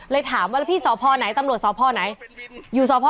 เลยถามแล้วพี่ส